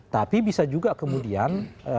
tapi bisa juga kemudian